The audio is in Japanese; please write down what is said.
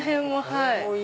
はい。